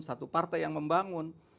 satu partai yang membangun